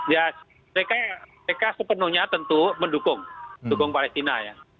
ya mereka sepenuhnya tentu mendukung palestina ya